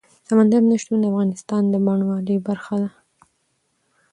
سمندر نه شتون د افغانستان د بڼوالۍ برخه ده.